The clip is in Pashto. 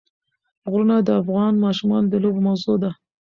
غرونه د افغان ماشومانو د لوبو موضوع ده.